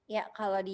ya kalau di